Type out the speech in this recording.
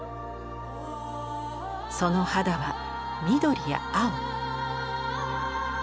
その肌は緑や青。